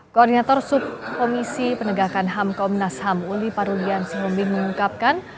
koordinator subkomisi penegakan ham komnas ham uli parulian sihombing mengungkapkan